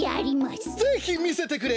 ぜひみせてくれ！